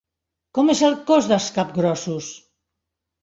Com és el cos dels capgrossos?